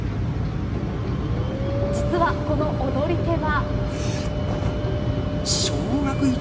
実は、この踊り手は。